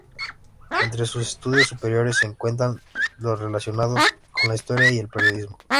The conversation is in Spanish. Entre sus estudios superiores se cuentan los relacionados con la Historia y el Periodismo.